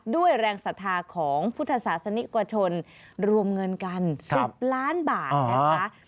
ด้วยแรงศรัทธาของพุทธศาสนิกชนรวมเงินกัน๑๐ล้านบาทนะคะ